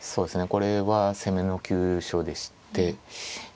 これは攻めの急所でして現状